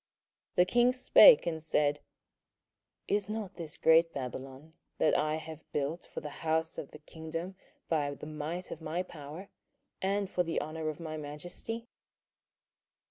27:004:030 The king spake, and said, Is not this great Babylon, that I have built for the house of the kingdom by the might of my power, and for the honour of my majesty?